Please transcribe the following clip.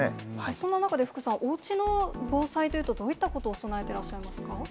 そんな中で福さん、おうちの防災というと、どういったことを備えていらっしゃいますか。